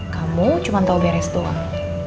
kamu cuma tahu beres doang